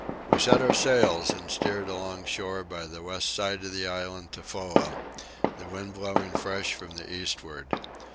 We set our sails and steered along shore by the west side of the island Tofoa, the wind blowing fresh from the eastward.